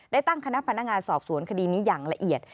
ได้ตั้งคณะพนักงานสอบสวนคดีนี้อย่างละเอียด